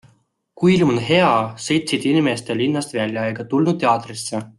Kui ilm oli hea, sõitsid inimesed linnast välja ega tulnud teatrisse.